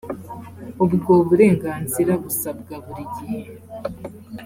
ubwo burenganzira busabwa buri gihe